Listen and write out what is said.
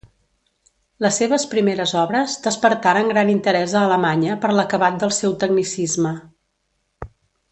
Les seves primeres obres despertaren gran interès a Alemanya per l'acabat del seu tecnicisme.